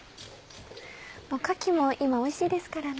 かきも今おいしいですからね。